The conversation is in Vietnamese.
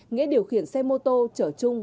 nghĩa điều khiển xe mô tô chở chung